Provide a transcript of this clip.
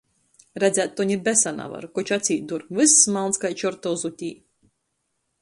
Redzēt to ni besa navar, koč acī dur - vyss malns kai čorta ozutī.